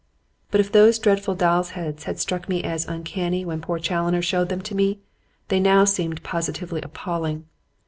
But if those dreadful dolls' heads had struck me as uncanny when poor Challoner showed them to me, they now seemed positively appalling.